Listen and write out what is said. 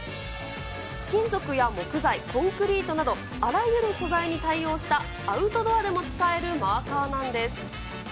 金属や木材、コンクリートなど、あらゆる素材に対応したアウトドアでも使えるマーカーなんです。